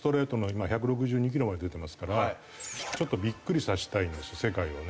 今１６２キロまで出てますからちょっとビックリさせたいんです世界をね。